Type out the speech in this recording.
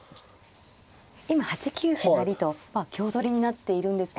今８九歩成と香取りになっているんですけれども。